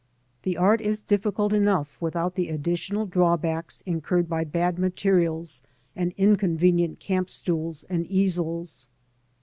The art is difficult enough without the additional drawbacks incurred by bad materials and inconvenient camp stools and easels.